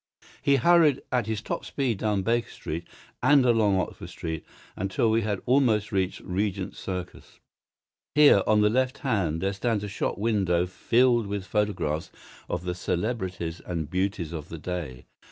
He hurried at his top speed down Baker Street and along Oxford Street, until we had almost reached Regent Circus. Here on the left hand there stands a shop window filled with photographs of the celebrities and beauties of the day.